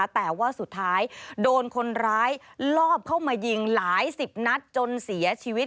แต่ว่าสุดท้ายโดนคนร้ายลอบเข้ามายิงหลายสิบนัดจนเสียชีวิต